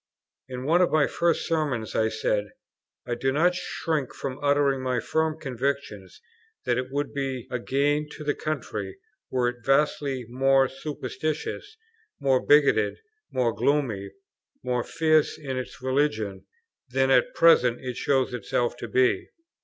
In one of my first Sermons I said, "I do not shrink from uttering my firm conviction that it would be a gain to the country were it vastly more superstitious, more bigoted, more gloomy, more fierce in its religion than at present it shows itself to be."